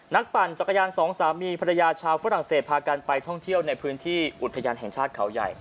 ปั่นจักรยานสองสามีภรรยาชาวฝรั่งเศสพากันไปท่องเที่ยวในพื้นที่อุทยานแห่งชาติเขาใหญ่